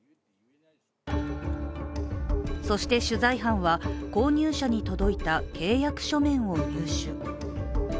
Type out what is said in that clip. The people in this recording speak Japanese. そして取材班は、購入者に届いた契約書面を入手。